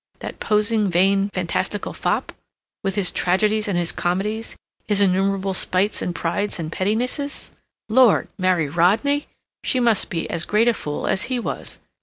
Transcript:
that posing, vain, fantastical fop? with his tragedies and his comedies, his innumerable spites and prides and pettinesses? Lord! marry Rodney! She must be as great a fool as he was.